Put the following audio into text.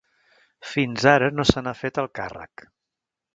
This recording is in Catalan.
Fins ara no se n'ha fet el càrrec.